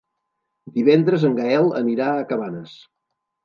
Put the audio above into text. Divendres en Gaël anirà a Cabanes.